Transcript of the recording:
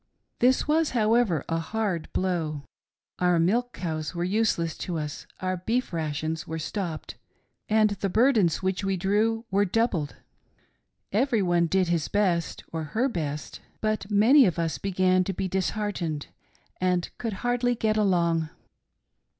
This was, however, a hard blow. Our milch cows were useless to us, our beef rations were stopped, and the burdens which we drew were doubled. Every otie did his or her best, but many of us began to be disheartehedy and could hardly get along.